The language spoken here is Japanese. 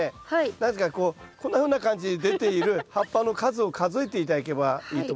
何ですかこうこんなふうな感じで出ている葉っぱの数を数えて頂けばいいと思います。